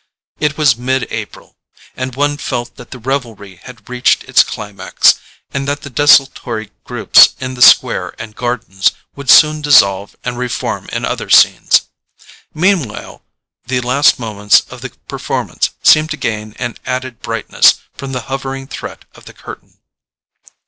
It was mid April, and one felt that the revelry had reached its climax and that the desultory groups in the square and gardens would soon dissolve and reform in other scenes. Meanwhile the last moments of the performance seemed to gain an added brightness from the hovering threat of the curtain.